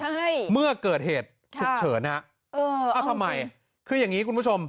ใช่เมื่อเกิดเหตุฉุกเฉินฮะเออเอาทำไมคืออย่างงี้คุณผู้ชม